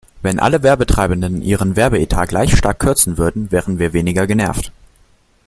Wenn alle Werbetreibenden ihren Werbeetat gleich stark kürzen würden, wären wir weniger genervt.